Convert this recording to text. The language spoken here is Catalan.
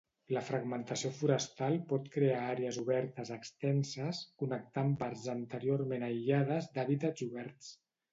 La fragmentació forestal pot crear àrees obertes extenses, connectant parts anteriorment aïllades d'hàbitats oberts.